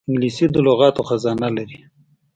انګلیسي د لغاتو خزانه لري